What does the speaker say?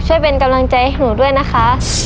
ช่วยเป็นกำลังใจให้หนูด้วยนะคะ